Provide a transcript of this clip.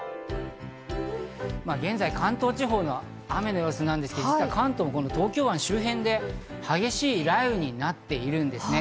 現在、関東地方の雨の様子なんですけど、関東も東京湾周辺で激しい雷雨になっているんですね。